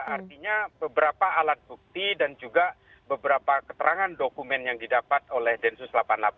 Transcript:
artinya beberapa alat bukti dan juga beberapa keterangan dokumen yang didapat oleh densus delapan puluh delapan